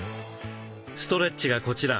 ストレッチがこちら。